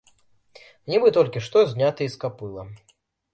Нібы толькі што знятыя з капыла.